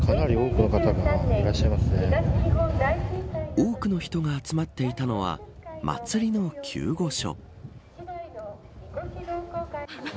多くの人が集まっていたのは祭りの救護所。